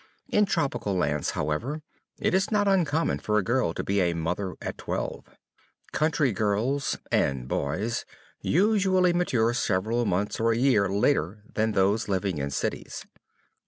In tropical lands, however, it is not uncommon for a girl to be a mother at twelve. Country girls (and boys) usually mature several months or a year later than those living in cities.